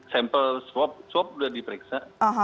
sampel swab sudah diperiksa